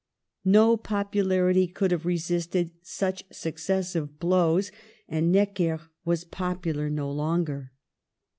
No popularity could have resisted such successive blows ; and Necker was popular no longer.